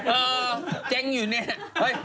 เออแจ้งอยู่เนี่ย